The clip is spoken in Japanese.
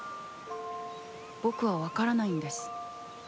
僕はわからないんです。